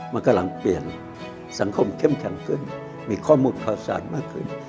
มันกำลังเปลี่ยนสังคมเข้มแข็งขึ้นมีข้อมูลข่าวสารมากขึ้น